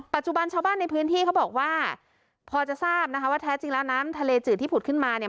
ชาวบ้านในพื้นที่เขาบอกว่าพอจะทราบนะคะว่าแท้จริงแล้วน้ำทะเลจืดที่ผุดขึ้นมาเนี่ย